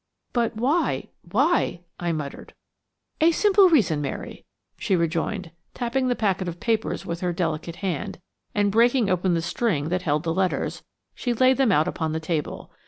"But why–why?" I muttered. "A simple reason, Mary," she rejoined, tapping the packet of papers with her delicate hand; and, breaking open the string that held the letters, she laid them out upon the table.